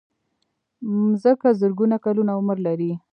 مځکه زرګونه کلونه عمر لري.